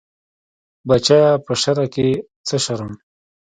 بچيه په شرع کې څه شرم.